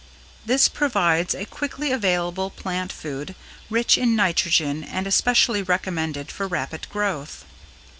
This provides a quickly available plant food, rich in nitrogen and especially recommended for rapid growth.